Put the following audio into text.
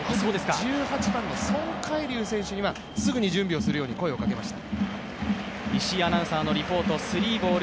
１８番のソン・カイリュウ選手にすぐに準備をするように声をかけました。